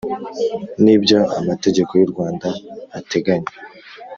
n ibyo Amategeko y u Rwanda ateganya